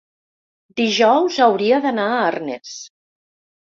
dijous hauria d'anar a Arnes.